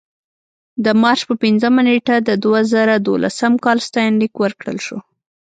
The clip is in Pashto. د مارچ په پنځمه نېټه د دوه زره دولسم کال ستاینلیک ورکړل شو.